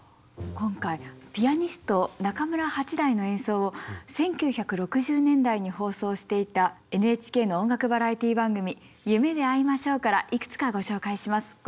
今回ピアニスト中村八大の演奏を１９６０年代に放送していたＮＨＫの音楽バラエティー番組「夢であいましょう」からいくつかご紹介します。